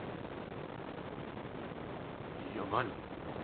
いや何？